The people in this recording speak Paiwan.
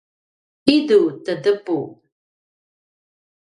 idu tedepu